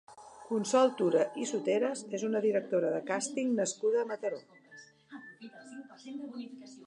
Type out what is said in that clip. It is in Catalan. Consol Tura i Soteras és una directora de càsting nascuda a Mataró.